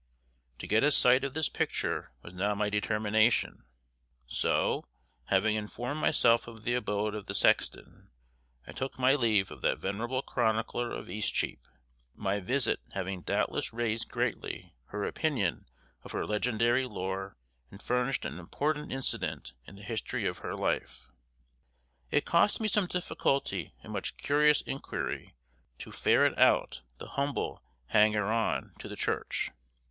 To get a sight of this picture was now my determination; so, having informed myself of the abode of the sexton, I took my leave of the venerable chronicler of Eastcheap, my visit having doubtless raised greatly her opinion of her legendary lore and furnished an important incident in the history of her life. It cost me some difficulty and much curious inquiry to ferret out the humble hanger on to the church.